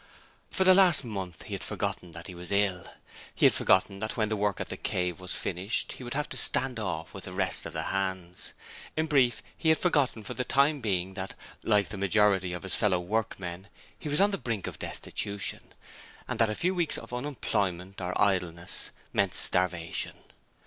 For the last month he had forgotten that he was ill; he had forgotten that when the work at 'The Cave' was finished he would have to stand off with the rest of the hands. In brief, he had forgotten for the time being that, like the majority of his fellow workmen, he was on the brink of destitution, and that a few weeks of unemployment or idleness meant starvation.